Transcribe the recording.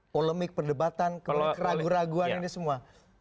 polemik perdebatan kemudian keraguan keraguan ini semua